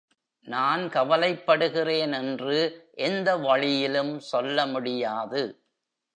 நான் கவலைப்படுகிறேன் என்று எந்த வழியிலும் சொல்ல முடியாது.